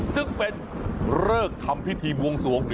ซึ่งเป็นเลิกทำพิธีบวงสวง